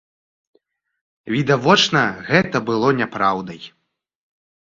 Відавочна, гэта было няпраўдай.